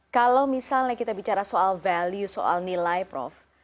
kalau misalnya kita bicara soal nilai prof